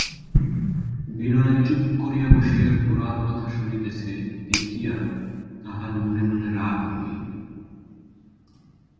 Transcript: বিনয় চুপ করিয়া বসিয়া গোরার কথা শুনিতেছে দেখিয়া তাহার মনে মনে রাগ হইল।